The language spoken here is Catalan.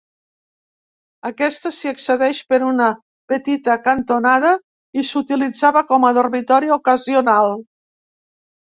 Aquesta s'hi accedeix per una petita cantonada i s'utilitzava com a dormitori ocasional.